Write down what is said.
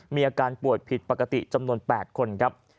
มีอาการป่วยผิดปกติจำนวน๘คนครับ